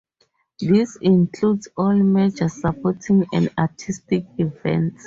This includes all major sporting and artistic events.